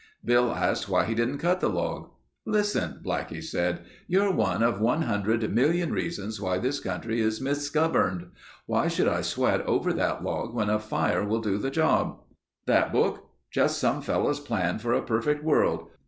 Bill asked why he didn't cut the log. "Listen," Blackie said, "you're one of 100 million reasons why this country is misgoverned. Why should I sweat over that log when a fire will do the job?... That book? Just some fellow's plan for a perfect world.